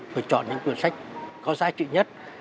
phải chọn những cuốn sách có giá trị nhất